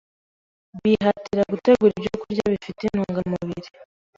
bihatira gutegura ibyokurya bifite intungamubiri